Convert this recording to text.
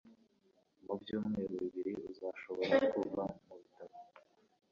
Mu byumweru bibiri uzashobora kuva mubitaro